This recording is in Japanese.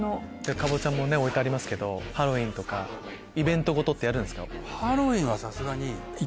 カボチャも置いてますけどハロウィンとかイベント事ってやるんですか？